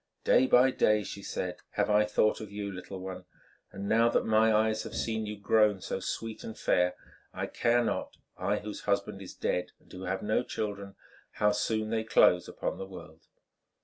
"Day by day," she said, "have I thought of you, little one, and now that my eyes have seen you grown so sweet and fair, I care not—I whose husband is dead and who have no children—how soon they close upon the world."